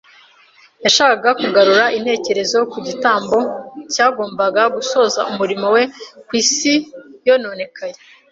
Yashakaga kugarura intekerezo ku gitambo cyagombaga gusoza umurimo we ku isi yononekaye